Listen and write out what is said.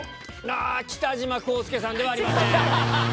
北島康介さんではありません。